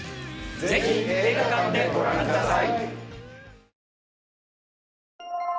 ぜひ映画館でご覧ください。